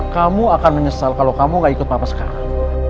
kamu akan menyesal kalau kamu gak ikut papa sekarang